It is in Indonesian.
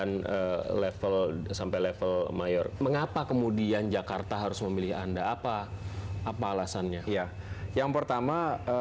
kenapa kenapa mungkin jakarta harus memilih anda apa alasannya